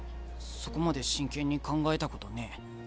そこまで真剣に考えたことねえ。